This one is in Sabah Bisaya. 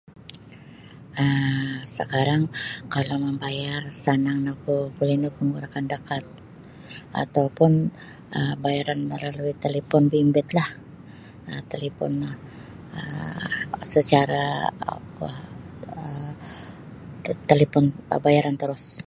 um sakarang kalau mambayar sanang nogu buli nogu manggunakan da kad atau pun um bayaran malalui talipon bimbitlah um talipon no um sacara kuo talipon bayaran terus.